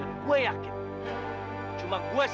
cuma gua satu satunya laki laki yang bisa menggagihain dia